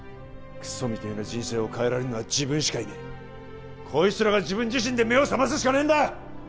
クソみてえな人生を変えられるのは自分しかいねえこいつらが自分自身で目を覚ますしかねえんだ！